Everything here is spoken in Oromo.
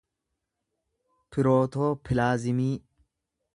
pirootoopilaazimii